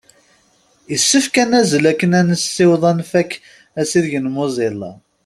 Issefk ad nazzel akken ad nessiweḍ ad nfak asideg n Mozilla.